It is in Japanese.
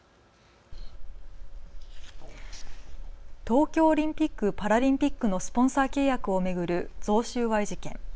東京オリンピック・パラリンピックのスポンサー契約を巡る贈収賄事件。